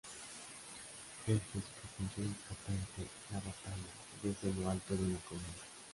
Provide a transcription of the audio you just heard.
Jerjes presenció impotente la batalla, desde lo alto de una colina.